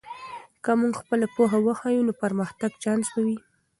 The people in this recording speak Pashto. که موږ خپله پوهه وښیو، نو د پرمختګ چانس به وي.